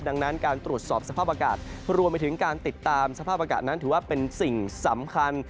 ดังนั้นการตรวจสอบสภาพอากาศรวมไปถึงการติดตามสภาพอากาศนั้นถือว่าเป็นสิ่งสำคัญ